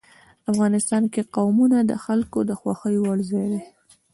افغانستان کې قومونه د خلکو د خوښې وړ ځای دی.